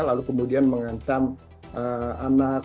lalu kemudian mengancam anak